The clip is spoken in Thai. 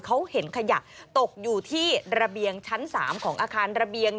เขาเห็นขยะตกอยู่ที่ระเบียงชั้น๓ของอาคารระเบียง